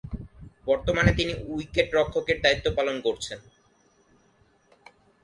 বর্তমানে তিনি উইকেটরক্ষক এর দায়িত্ব পালন করছেন।